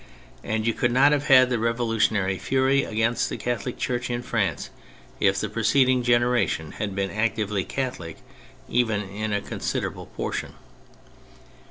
And you could not have had the revolutionary fury against the Catholic Church in France if the preceding generation had been actively Catholic even in a considerable portion.